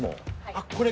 あっこれ。